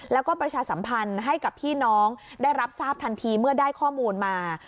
แล้วก็ประชาสัมพันธ์ให้กับพี่น้องได้รับทราบทันทีเมื่อได้ข้อมูลมา